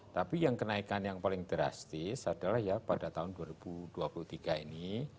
tapi yang kenaikan yang paling drastis adalah ya pada tahun dua ribu dua puluh tiga ini